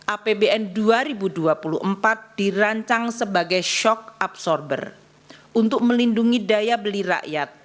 apbn dua ribu dua puluh empat dirancang sebagai shock absorber untuk melindungi daya beli rakyat